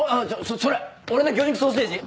それ俺の魚肉ソーセージ。